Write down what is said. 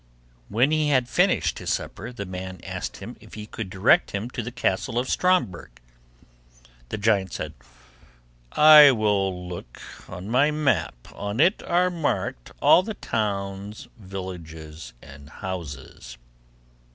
When he had finished his supper the man asked him if he could direct him to the castle of Stromberg. The giant said, 'I will look on my map; on it are marked all the towns, villages, and houses.